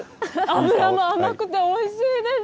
脂も甘くておいしいです。